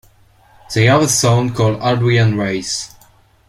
They have a son called Adrian Raice.